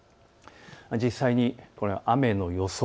実際に雨の予想